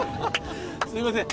すいません